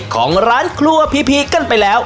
ของร้านครัวพีพีกันไปแล้ว